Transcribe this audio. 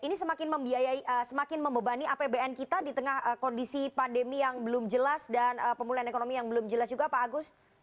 ini semakin membiayai semakin membebani apbn kita di tengah kondisi pandemi yang belum jelas dan pemulihan ekonomi yang belum jelas juga pak agus